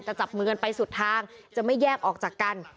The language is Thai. จับมือกันไปสุดทางจะไม่แยกออกจากกัน